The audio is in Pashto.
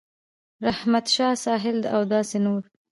رحمت شاه ساحل او داسې نور